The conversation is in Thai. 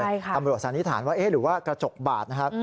ใช่ค่ะตำรวจสันนิษฐานว่าเอ๊ะหรือว่ากระจกบาดนะครับ